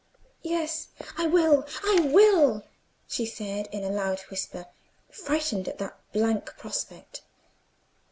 "Yes, I will, I will," she said, in a loud whisper, frightened at that blank prospect.